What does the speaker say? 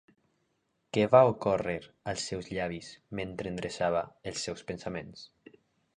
Què va ocórrer als seus llavis mentre endreçava els seus pensaments?